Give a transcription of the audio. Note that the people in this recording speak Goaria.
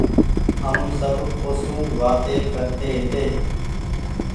هم سب اوسون وآتي ڪرتي هيتي